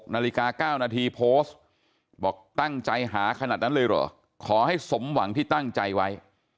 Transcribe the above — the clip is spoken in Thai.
นาฬิกา๙นาทีโพสต์บอกตั้งใจหาขนาดนั้นเลยเหรอขอให้สมหวังที่ตั้งใจไว้